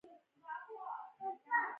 دغه نظر جګړه د شخصي شتمنیو اغېزه ښيي.